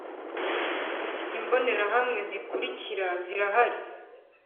Imbonerahamwe zikurikira zirahari